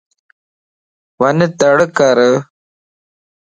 وڃ تڙڪَر